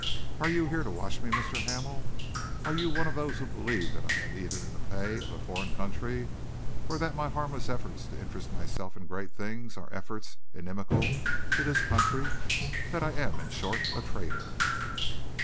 Are you here to watch me, Mr. Hamel? Are you one of those who believe that I am either in the pay of a foreign country, or that my harmless efforts to interest myself in great things are efforts inimical to this country; that I am, in short, a traitor?"